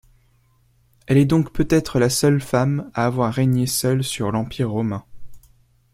Elle est donc peut-être la seule femme à avoir régné seule sur l'Empire romain.